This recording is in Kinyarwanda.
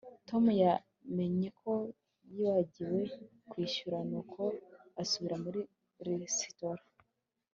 Tom yamenye ko yibagiwe kwishyura nuko asubira muri resitora